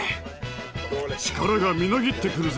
力がみなぎってくるぜ。